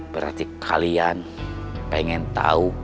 berarti kalian pengen tahu